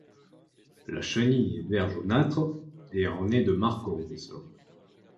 La chenille est vert jaunâtre et ornée de marques roses.